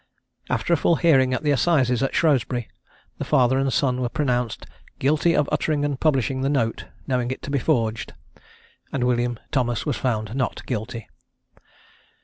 After a full hearing at the assizes at Shrewsbury, the father and son were pronounced "Guilty of uttering and publishing the note, knowing it to be forged;" and William Thomas was found "Not Guilty."